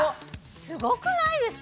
すごくないですか？